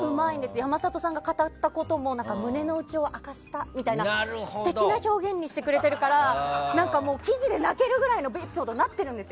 山里さんが語ったことも胸の内を明かしたみたいな素敵な表現にしてくれているから記事で泣けるくらいのエピソードになってるんですよ。